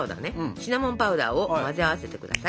シナモンパウダーを混ぜ合わせてください。